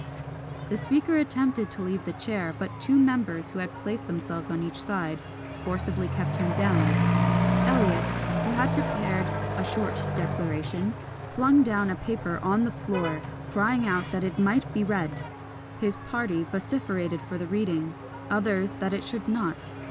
The Speaker attempted to leave the chair, but two members, who had placed themselves on each side, forcibly kept him down Eliot, who had prepared "a short declaration," flung down a paper on the floor, crying out that it might be read! His party vociferated for the reading others that it should not.